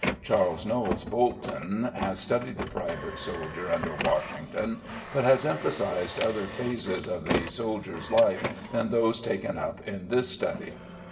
Charles Knowles Bolton has studied the private soldier under Washington, but has emphasized other phases of the soldier's life than those taken up in this study.